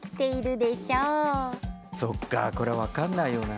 そっかこれ分かんないよな。